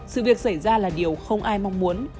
sự việc xảy ra là điều không ai mong muốn